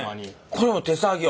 これも手作業？